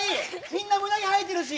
みんな胸毛生えてるし。